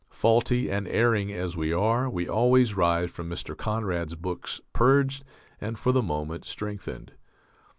Faulty and erring as we are, we always rise from Mr. Conrad's books purged and, for the moment, strengthened.